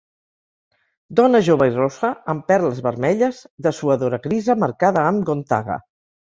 Dona jove i rossa amb perles vermelles, dessuadora grisa marcada amb GONTAGA.